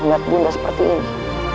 melihat ibu nda seperti ini